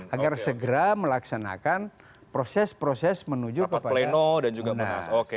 agar segera melaksanakan proses proses menuju kepada munas